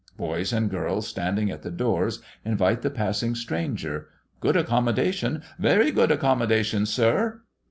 Boys and girls standing at the doors, invite the passing stranger. "Good accommodation. Very good accommodation, sir."